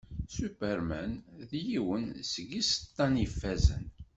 Superman d yiwen seg isaṭṭen ifazen.